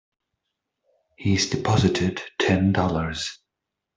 He's deposited Ten Dollars.